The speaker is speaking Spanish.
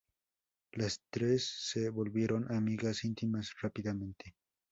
Los tres se volvieron amigas íntimas rápidamente.